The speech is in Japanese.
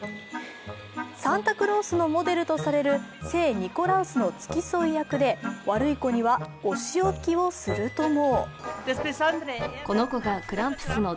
サンタクロースのモデルとされる聖ニコラウスの付き添い役で悪い子にはお仕置きをするとも。